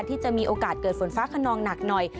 ที่จะมีโอกาสเกิดฝนฟ้าขนองหนักหน่อย